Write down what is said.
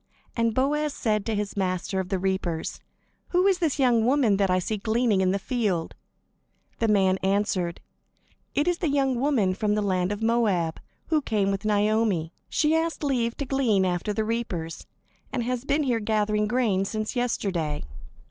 And Boaz said to his master of the reapers: "Who is this young woman that I see gleaning in the field?" The man answered: "It is the young woman from the land of Moab, who came with Naomi. She asked leave to glean after the reapers, and has been here gathering grain since yesterday."